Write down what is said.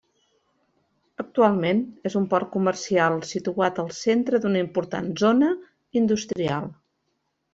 Actualment, és un port comercial situat al centre d'una important zona industrial.